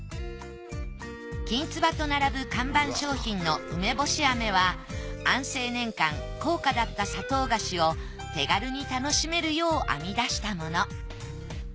金鍔と並ぶ看板商品の梅ぼ志飴は安政年間高価だった砂糖菓子を手軽に楽しめるよう編み出したもの。